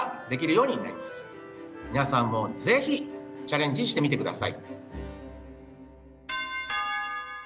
皆さんも是非チャレンジしてみてください。